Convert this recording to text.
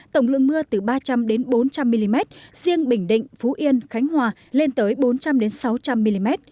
tổng lượng mưa từ ba trăm linh bốn trăm linh mm riêng bình định phú yên khánh hòa lên tới bốn trăm linh sáu trăm linh mm